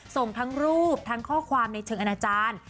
ส่งทั้งรูปทั้งข้อความในเชิงอนาจารย์